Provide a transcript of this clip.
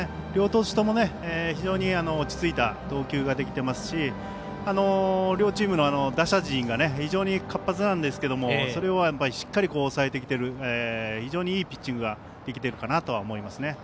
両投手とも非常に落ち着いた投球ができていますし両チームの打者陣が非常に活発なんですけどもそれをしっかり抑えてきている非常にいいピッチングができているかなと思います。